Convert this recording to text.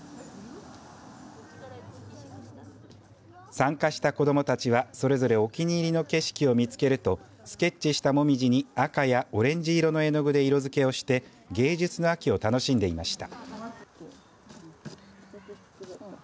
参加した子どもたちはそれぞれお気に入りの景色を見つけるとスケッチしたもみじに赤やオレンジ色の絵の具で色づけをして芸術の秋を楽しんでいました。